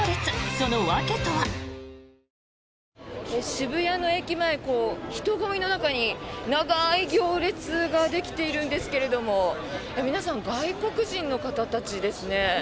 渋谷の駅前人混みの中に長い行列ができているんですけれども皆さん、外国人の方たちですね。